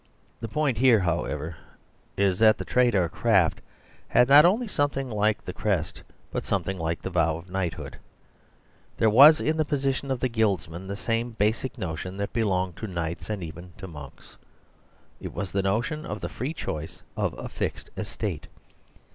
The point here, however, is that the trade or craft had not only something like the crest, but something like the vow of knighthood. There TJie Story of the Vow 98 was in the position of the guildsman the same basic notion that belonged to knights and even to monks. It was the notion of the free choice of a fixed estate.